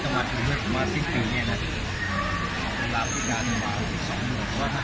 ขอบคุณมากครับขอบคุณครับขอบคุณครับ